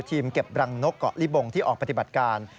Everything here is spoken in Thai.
เก็บรังนกเกาะลิบงที่ออกปฏิบัติการ